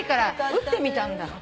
打ってみたんだ。